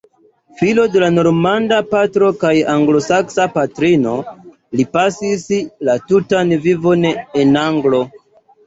Filo de normanda patro kaj anglosaksa patrino, li pasis la tutan vivon en Anglio.